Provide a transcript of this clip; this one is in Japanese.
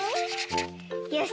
よし！